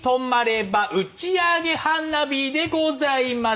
「打ち上げ花火でございます」